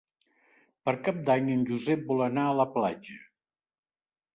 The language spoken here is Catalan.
Per Cap d'Any en Josep vol anar a la platja.